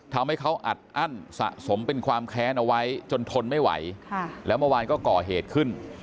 ทำให้เขาอัดอั้นสะสมเป็นความแค้นเอาไว้จนทนไม่ไหวแล้วเมื่อวานก็ก่อเหตุขึ้น